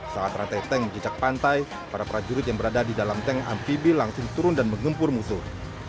saat rantai tank menjejak pantai para prajurit yang berada di dalam tank amfibi langsung turun dan menggempur musuh